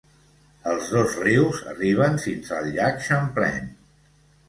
Els dos rius arriben fins al llac Champlain.